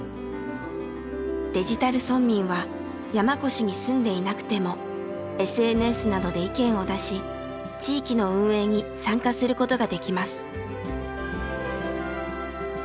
デジタル村民は山古志に住んでいなくてもＳＮＳなどで意見を出し地域の運営に参加することができます。